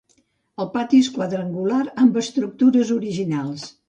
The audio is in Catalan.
El pati és quadrangular amb estructures originals.